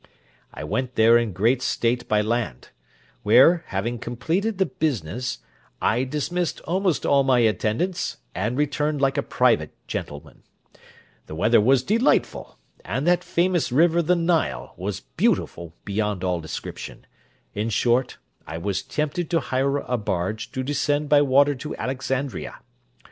I went there in great state by land; where, having completed the business, I dismissed almost all my attendants, and returned like a private gentleman; the weather was delightful, and that famous river the Nile was beautiful beyond all description; in short, I was tempted to hire a barge to descend by water to Alexandria.